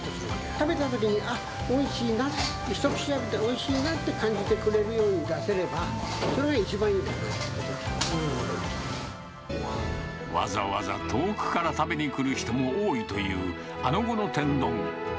食べたときにあっ、おいしいな、一口食べて、おいしいなって感じてもらえるように出せれば、それが一番いいかわざわざ遠くから食べに来る人も多いという、あなごの天丼。